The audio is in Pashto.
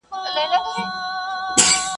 د کلي نږدې اوسېدونکي په یو بل ډېر باور لري.